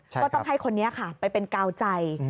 ก็ต้องให้คนนี้ค่ะไปเป็นกาวใจ